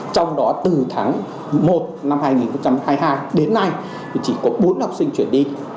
trong đó từ tháng một năm hai nghìn hai mươi hai đến nay thì chỉ có bốn học sinh chuyển đi